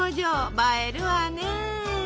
映えるわね！